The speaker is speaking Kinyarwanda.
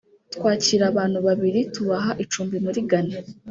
twakira abantu babiri tubaha icumbi muri Ghana